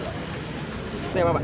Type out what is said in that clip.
ini apa pak